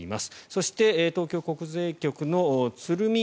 そして、東京国税局の鶴見